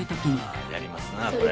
あやりますなあこれ。